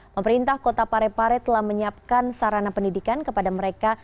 pemerintah kota parepare telah menyiapkan sarana pendidikan kepada mereka